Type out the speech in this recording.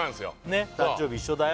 ねっ誕生日一緒だよ